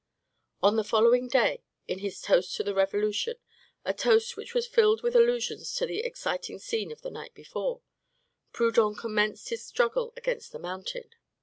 On the following day, in his Toast to the Revolution, a toast which was filled with allusions to the exciting scene of the night before, Proudhon commenced his struggle against the Mountain.